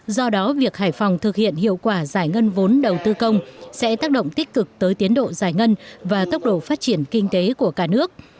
do đó việc hải phòng thực hiện hiệu quả giải ngân vốn đầu tư công sẽ tác động tích cực tới tiến độ giải ngân và tốc độ phát triển kinh tế của cả nước